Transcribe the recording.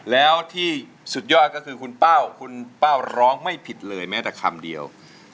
แล้วที่สุดยอดก็คือคุณเป้าคุณเป้าร้องไม่ผิดเลยแม้แต่คำเดียว